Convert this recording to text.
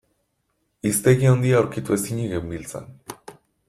Hiztegi handia aurkitu ezinik genbiltzan.